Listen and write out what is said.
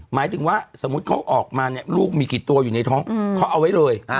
หมายถึงว่าสมมุติเขาออกมาเนี่ยลูกมีกี่ตัวอยู่ในท้องเขาเอาไว้เลย